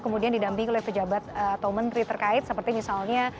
kemudian didampingi oleh pejabat atau menteri terkait seperti misalnya